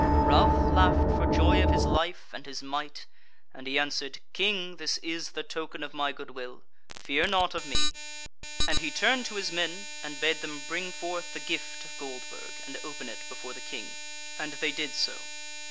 Ralph laughed for joy of his life and his might, and he answered: "King, this is the token of my goodwill; fear naught of me." And he turned to his men, and bade them bright forth the gift of Goldburg and open it before the King; and they did so.